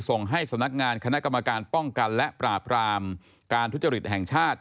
ส่งให้สำนักงานคณะกรรมการป้องกันและปราบรามการทุจริตแห่งชาติ